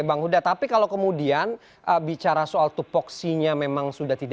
bang uda tapi apa yang anda inginkan untuk mencetak pelajar pancasila